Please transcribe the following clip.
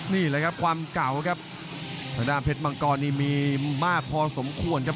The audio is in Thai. นี่แหละครับความเก่าครับทางด้านเพชรมังกรนี่มีมากพอสมควรครับ